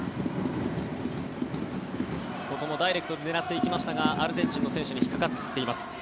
ここもダイレクトで狙っていきましたがアルゼンチンの選手に引っかかっています。